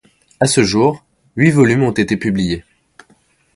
À ce jour, huit volumes ont été publiés.